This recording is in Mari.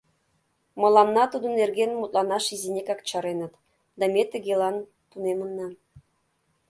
Мыланна тудын нерген мутланаш изинекак чареныт да ме тыгелан тунемынна.